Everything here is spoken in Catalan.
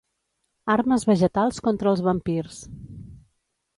Armes vegetals contra els vampirs.